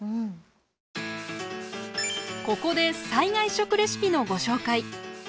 ここで災害食レシピのご紹介。